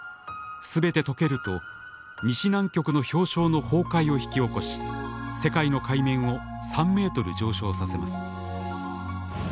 すべてとけると西南極の氷床の崩壊を引き起こし世界の海面を３ｍ上昇させます。